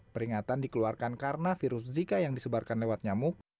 peringatan dikeluarkan karena virus zika yang disebarkan lewat nyamuk